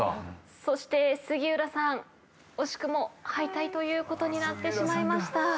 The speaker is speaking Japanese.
そして杉浦さん惜しくも敗退ということになってしまいました。